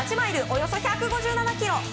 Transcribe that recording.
およそ１５７キロ！